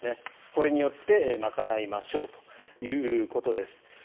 これによって賄いましょうということです。